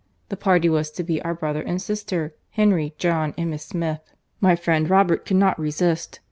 The party was to be our brother and sister, Henry, John—and Miss Smith. My friend Robert could not resist.